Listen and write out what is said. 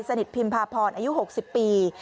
นิพิมพาพรอายุ๖๐ปี